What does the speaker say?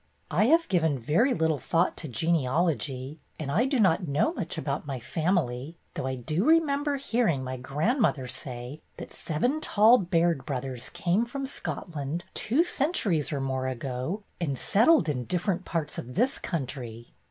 "I have given very little thought to gene alogy, and I do not know much about my family, though I do remember hearing my grandmother say that seven tall Baird brothers came from Scotland two centuries or more ago and settled in different parts of this country."